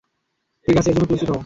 ঠিক আছে, এর জন্য প্রস্তুত হও।